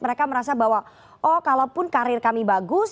mereka merasa bahwa oh kalaupun karir kami bagus